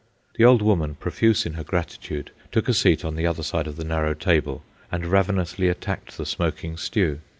The old woman, profuse in her gratitude, took a seat on the other side of the narrow table and ravenously attacked the smoking stew.